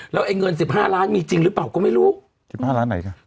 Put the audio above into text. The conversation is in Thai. แล้วไอ้เงินสิบห้าล้านมีจริงหรือเปล่าก็ไม่รู้๑๕ล้านไหนคะ